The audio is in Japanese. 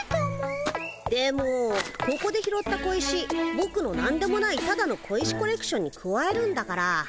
でもここで拾った小石ぼくのなんでもないただの小石コレクションにくわえるんだから。